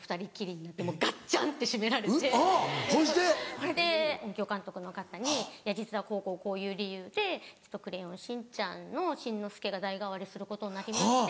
それで音響監督の方に「実はこうこうこういう理由で『クレヨンしんちゃん』のしんのすけが代替わりすることになりまして。